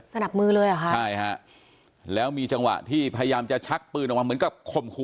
นับมือเลยเหรอคะใช่ฮะแล้วมีจังหวะที่พยายามจะชักปืนออกมาเหมือนกับข่มขู่